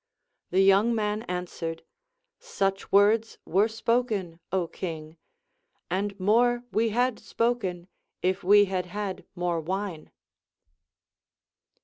The young man ansAvered : Such words were spoken, Ο King, and more we had spoken, if we had had more wine.